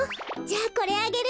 じゃあこれあげる。